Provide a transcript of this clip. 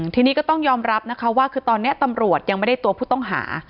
ทีนี้ก็ต้องยอมรับนะคะว่าคือตอนนี้ตำรวจยังไม่ได้ตัวผู้ต้องหา